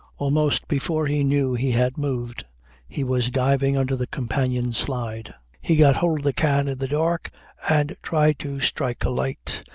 Almost before he knew he had moved he was diving under the companion slide. He got hold of the can in the dark and tried to strike a light.